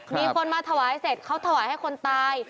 มีคนมาถวายเสร็จเขาถวายให้คนตาย